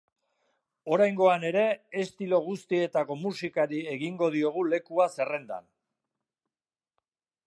Oraingoan ere, estilo guztietako musikari egingo diogu lekua zerrendan.